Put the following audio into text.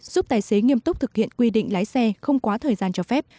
giúp tài xế nghiêm túc thực hiện quy định lái xe không quá thời gian cho phép